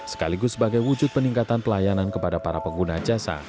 sekaligus sebagai wujud peningkatan pelayanan kepada para pengguna jasa